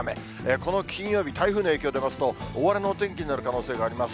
この金曜日、台風の影響出ますと、おおあれのお天気になる可能性があります。